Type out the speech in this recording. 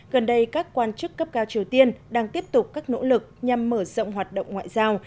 gần đây các quan chức cấp cao triều tiên đang tiếp tục các nỗ lực nhằm mở rộng hoạt động ngoại giao